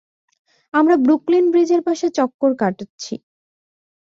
আমরা ব্রুকলিন ব্রিজের পাশে চক্কর কাটচ্ছি।